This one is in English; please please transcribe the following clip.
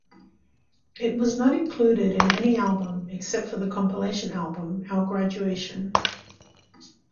It was not included in any album except for the compilation album "Our Graduation".